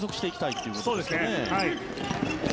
そうですね。